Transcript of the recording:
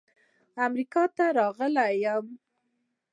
امریکا ته راغلی یم.